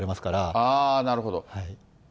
ああ、なるほど。